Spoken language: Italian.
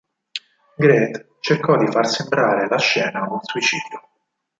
Grete cercò di far sembrare la scena un suicidio.